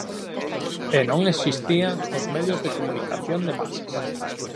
E non existían os medios de comunicación de masas.